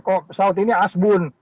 kok saud ini asbun